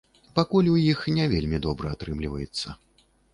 Пакуль у іх не вельмі добра атрымліваецца.